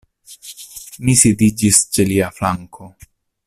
Mi sidiĝis ĉe lia flanko.